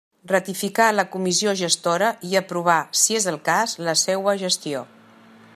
Ratificar la Comissió Gestora i aprovar, si és el cas, la seua gestió.